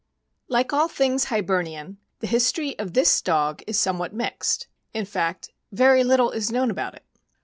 all things Hibernian, the history of this dog is r«j somewhat mixed; in fact, very little is known about =|> it.